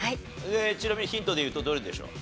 ちなみにヒントでいうとどれでしょう？